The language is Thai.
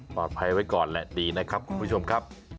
ไว้ก่อนแหละดีนะครับคุณผู้ชมครับ